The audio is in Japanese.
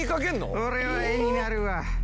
「これは絵になるわ」